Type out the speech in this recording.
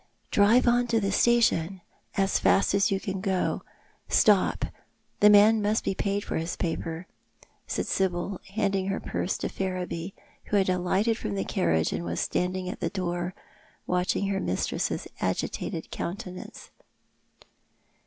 "Drive on to the station, as fast as you can go— stop, the man must be paid for his paper," said Sibyl, handing her purse to Ferriby, who had alighted from the carriage, and was stand ing at the door, watching her mistress's agitated countenance.